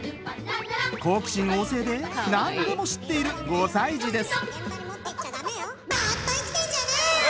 好奇心旺盛で何でも知っている５歳児です。